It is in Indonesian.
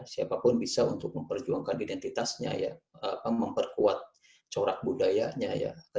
siapapun bisa untuk memperjuangkan identitasnya ya memperkuat corak budayanya ya